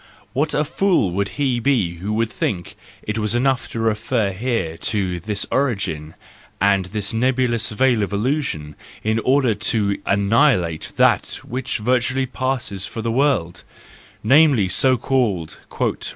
What a fool he would be who would think it enough to refer here to this origin and this nebulous veil of illusion, in order to annihilate that which virtually passes for the world—namely, so called "reality